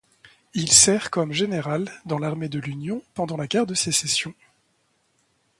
Il sert comme général dans l'armée de l'Union pendant la guerre de Sécession.